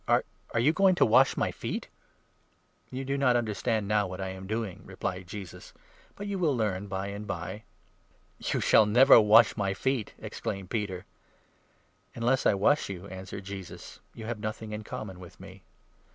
Are you going to wash my feet ?" "You do not understand now what I am doing," replied 7 Jesus, " but you will learn by and by." " You shall never wash my feet !" exclaimed Peter. 8 "Unless I wash you," answered Jesus, "you have nothing in common with me."